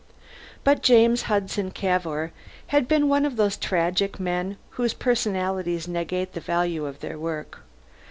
But James Hudson Cavour had been one of those tragic men whose personalities negate the value of their work.